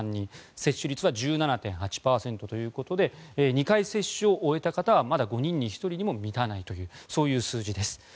接種率は１７．８％ということで２回接種を終えた方はまだ５人に１人にも満たないというそういう数字です。